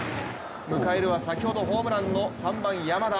迎えるは先ほどホームランの３番・山田。